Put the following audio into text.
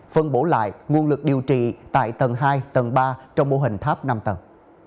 phân bổ lại nguồn lực điều trị tại tầng hai tầng ba trong mô hình tháp năm tầng